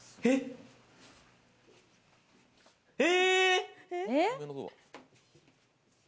え！